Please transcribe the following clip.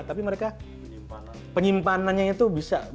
tapi mereka penyimpanannya itu bisa